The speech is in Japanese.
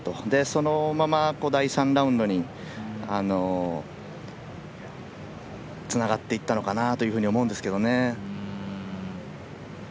そのまま第３ラウンドにつながっていったのかなと思うんですけどね。